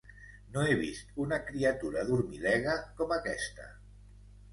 No he vist una criatura dormilega com aquesta!